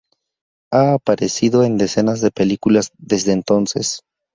Ha aparecido en decenas de películas desde entonces.